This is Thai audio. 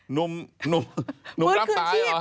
หนุ่มหนุ่มรับตายเหรอ